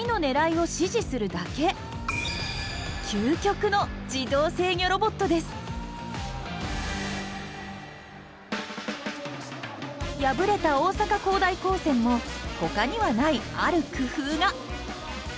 究極の敗れた大阪公大高専も他にはないある工夫が。